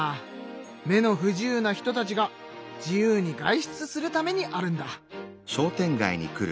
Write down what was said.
目の不自由な人たちが自由に外出するためにあるんだ。